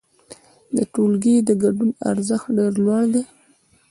د ټولګي د ګډون ارزښت ډېر لوړ دی.